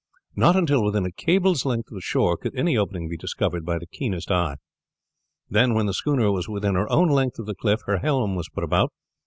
Not until within a cable's length of the shore could any opening be discovered by the keenest eye. Then when the schooner was within her own length of the cliff her helm was put about.